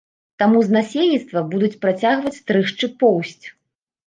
Таму з насельніцтва будуць працягваць стрыгчы поўсць.